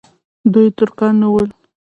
دوی ترکان نه ول.